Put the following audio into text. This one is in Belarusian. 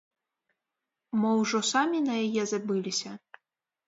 Мо ўжо самі на яе забыліся?